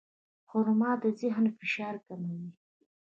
خرما د ذهني فشار کموي.